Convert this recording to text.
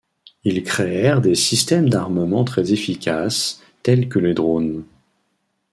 Ils créèrent des systèmes d'armements très efficaces, tel que les drones.